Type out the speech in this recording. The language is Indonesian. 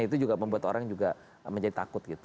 itu juga membuat orang juga menjadi takut gitu